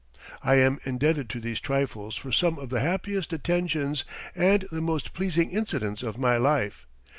I am indebted to these trifles for some of the happiest attentions and the most pleasing incidents of my life.